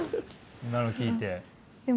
今の聞いて。